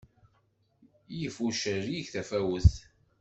Yif ucerrig tafawet.